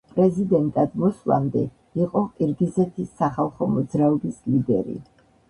პრეზიდენტად მოსვლამდე იყო ყირგიზეთის სახალხო მოძრაობის ლიდერი.